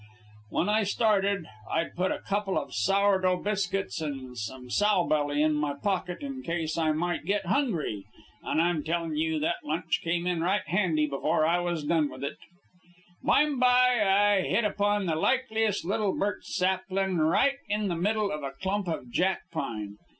When I started, I'd put a couple of sour dough biscuits and some sowbelly in my pocket in case I might get hungry. And I'm tellin' you that lunch came in right handy before I was done with it. "Bime by I hit upon the likeliest little birch saplin', right in the middle of a clump of jack pine.